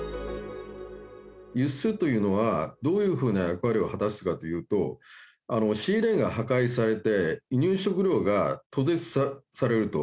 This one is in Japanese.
輸出というのは、どういうふうな役割を果たすかというと、シーレーンが破壊されて、輸入食料が途絶されると。